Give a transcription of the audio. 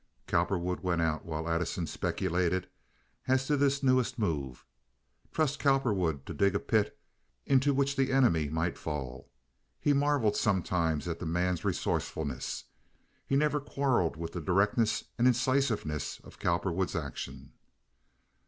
Cowperwood went out while Addison speculated as to this newest move. Trust Cowperwood to dig a pit into which the enemy might fall. He marveled sometimes at the man's resourcefulness. He never quarreled with the directness and incisiveness of Cowperwood's action.